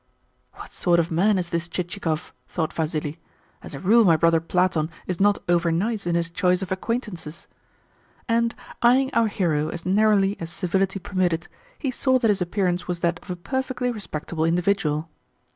"What sort of man is this Chichikov?" thought Vassili. "As a rule my brother Platon is not over nice in his choice of acquaintances." And, eyeing our hero as narrowly as civility permitted, he saw that his appearance was that of a perfectly respectable individual.